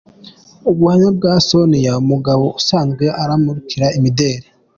Ubuhamya bwa Sonia Mugabo usanzwe anamurika imideri.